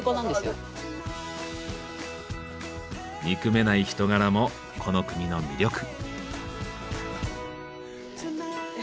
憎めない人柄もこの国の魅力。